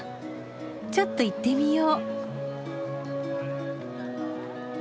ちょっと行ってみよう。